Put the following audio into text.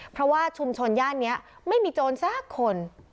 เพราะว่าชุมชนย่านนี้ไม่มีโจรสักคน